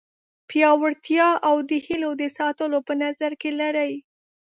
پیاوړتیا او د هیلو د ساتلو په نظر کې لري.